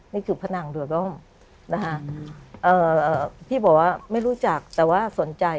นี่คือพนังโดยบ้องนะคะพี่บอกว่าไม่รู้จักแต่ว่าสนใจ